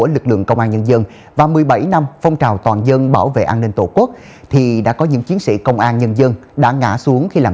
lực lượng công an nhân dân cả nước những tình cảm